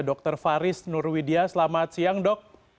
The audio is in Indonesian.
dr faris nurwidia selamat siang dok